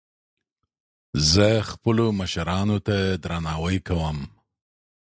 زه خپلو مشرانو ته درناوی کوم